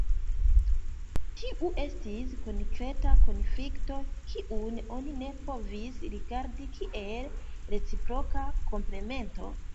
Tiu estis konkreta konflikto, kiun oni ne povis rigardi kiel reciproka komplemento.